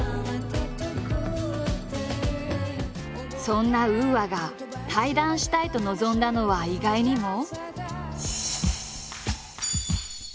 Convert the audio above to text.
そんなＵＡが対談したいと望んだのは意外にも。